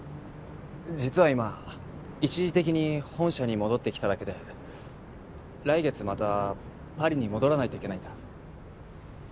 実は今一時的に本社に戻ってきただけで来月またパリに戻らないといけないんだ。